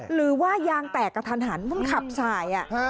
หรือว่ายางแตกกระทันหันมันขับสาย